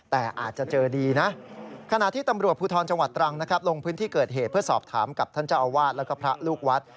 ถามกับท่านเจ้าอาวาสแล้วก็พระลูกวัด